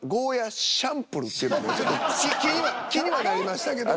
あと気には気にはなりましたけども。